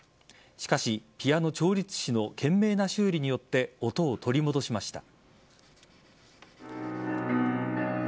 しかし、ピアノ調律師の懸命な修理によって音を取り戻しました。